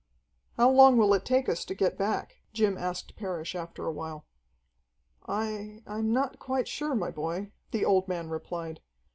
"How long will it take us to get back?" Jim asked Parrish after a while. "I I'm not quite sure, my boy," the old man replied.